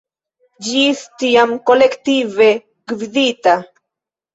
Ĝis tiam kolektive gvidita.